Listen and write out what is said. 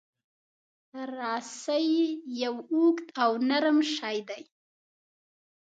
رسۍ یو اوږد او نرم شی دی.